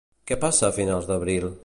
Què passa a finals d'abril?